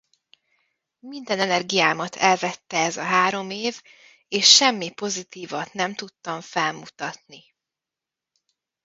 Minden energiámat elvette ez a három év és semmi pozitívat nem tudtam felmutatni.